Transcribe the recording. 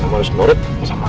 kamu harus menurut sama aku